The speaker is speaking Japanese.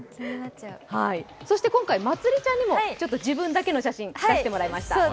今回、まつりちゃんにも自分だけの写真を出してもらいました。